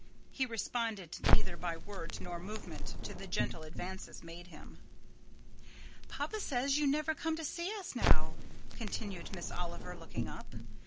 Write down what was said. He responded neither by word nor movement to the gentle advances made him. "Papa says you never come to see us now," continued Miss Oliver, looking up.